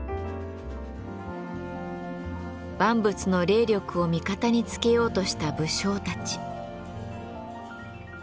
万物の霊力を味方につけようとした武将たち。